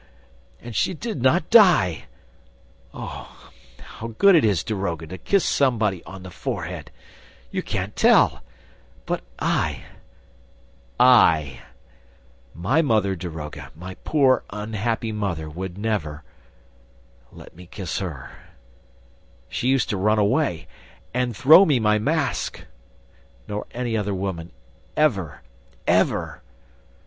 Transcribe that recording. ... And she did not die! ... Oh, how good it is, daroga, to kiss somebody on the forehead! ... You can't tell! ... But I! I! ... My mother, daroga, my poor, unhappy mother would never ... let me kiss her ... She used to run away ... and throw me my mask! ... Nor any other woman ... ever, ever!